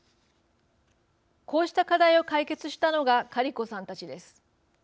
こうした課題を解決したのがカリコさんたちです。